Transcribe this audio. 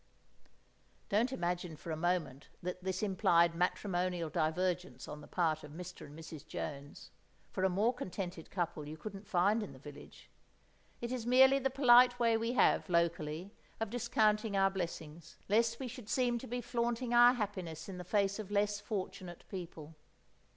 Don't imagine for a moment that this implied matrimonial divergence on the part of Mr. and Mrs. Jones, for a more contented couple you couldn't find in the village. It is merely the polite way we have, locally, of discounting our blessings, lest we should seem to be flaunting our happiness in the face of less fortunate people.